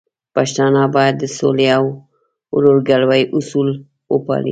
پښتانه بايد د سولې او ورورګلوي اصول وپالي.